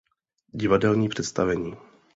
Divadelní představení.